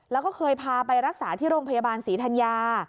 แล้วก็เคยพาไปรักษาที่โรงพยาบาลศรีธัญญา